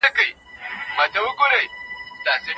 لیکوال غواړي یو ادبي بحث پای ته ورسوي.